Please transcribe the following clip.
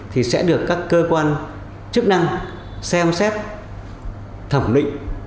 thì sẽ được các cơ quan chức năng xem xét thẩm định